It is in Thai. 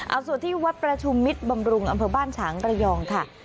เอาส่วนที่วัดประชุมมิตรบำรุงอำเภอบ้านฉางระยองค่ะ